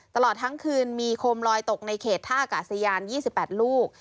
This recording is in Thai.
ตลอดทั้งคืนมีโคมลอยตกในเขตท่ากาศยาน๒๘ลูก